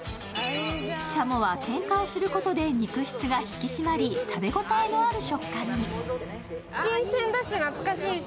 しゃもはけんかすることで肉質が引き締まり、食べ応えのある食感に。